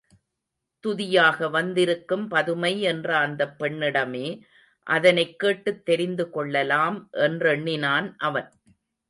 துதியாக வந்திருக்கும் பதுமை என்ற அந்தப் பெண்ணிடமே அதனைக் கேட்டுத் தெரிந்து கொள்ளலாம் என்றெண்ணினான் அவன்.